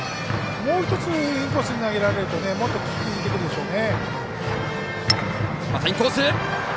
もう一つインコースに投げられるともっときいてくるでしょうね。